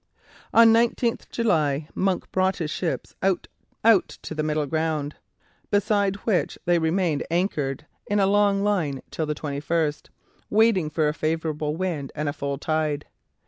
On 19 July Monk brought his ships out to the Middle Ground, beside which they remained anchored in a long line till the 21st, waiting for a favourable wind and a full tide.